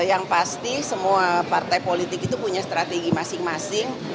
yang pasti semua partai politik itu punya strategi masing masing